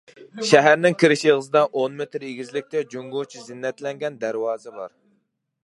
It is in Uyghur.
شەھەرنىڭ كىرىش ئېغىزىدا ئون مېتىر ئېگىزلىكتە جۇڭگوچە زىننەتلەنگەن دەرۋازا بار.